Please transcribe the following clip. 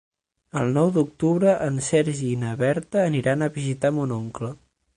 El nou d'octubre en Sergi i na Berta aniran a visitar mon oncle.